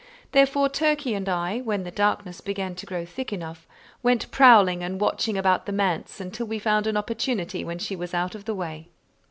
Therefore Turkey and I, when the darkness began to grow thick enough, went prowling and watching about the manse until we found an opportunity when she was out of the way.